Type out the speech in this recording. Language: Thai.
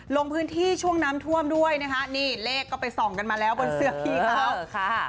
ลงพื้นที่ช่วงน้ำท่วมด้วยนะคะนี่เลขก็ไปส่องกันมาแล้วบนเสื้อพี่เขาค่ะ